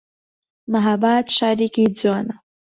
مەهاباد شارێکی جوانە